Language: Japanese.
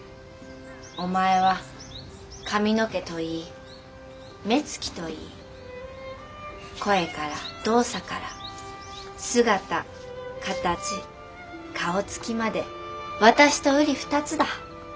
『お前は髪の毛といい目つきといい声から動作から姿形顔つきまで私と瓜二つだ。